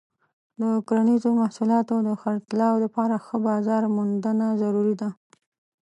د کرنیزو محصولاتو د خرڅلاو لپاره ښه بازار موندنه ضروري ده.